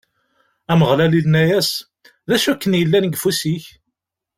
Ameɣlal inna-as: D acu akken yellan deg ufus-ik?